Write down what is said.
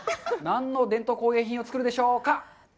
何の伝統工芸品を作るでしょうか？